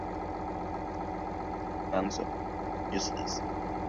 Magonjwa ya mlipuko wa mara kwa mara hujitokeza katika makundi ya ngombe